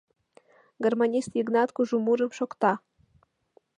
Гармонист Йыгнат кужу мурым шокта.